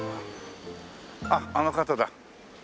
あっあの方だ。